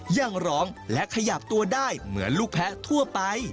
ยังร้องและขยับตัวได้เหมือนลูกแพ้ทั่วไป